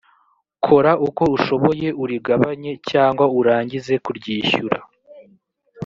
kora uko ushoboye urigabanye cyangwa urangize kuryishyura